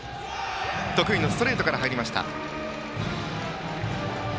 得意のストレートから入りました。